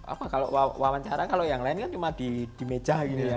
apa kalau wawancara kalau yang lain kan cuma di meja gitu ya